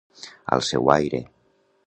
Al seu aire.